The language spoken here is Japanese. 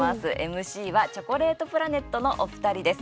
ＭＣはチョコレートプラネットのお二人です。